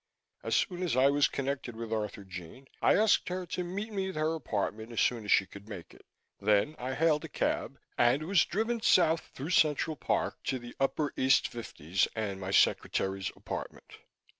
As soon as I was connected with Arthurjean I asked her to meet me at her apartment as soon as she could make it. Then I hailed a cab and was driven south through Central Park to the upper east Fifties' and my secretary's apartment.